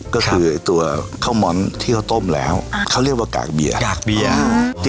ก็คือตัวข้าวม้อนที่เขาต้มแล้วเขาเรียกว่ากากเบียร์กากเบียร์